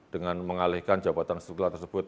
dengan mengalihkan jabatan struktural tersebut